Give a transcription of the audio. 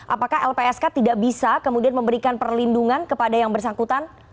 apakah lpsk tidak bisa kemudian memberikan perlindungan kepada yang bersangkutan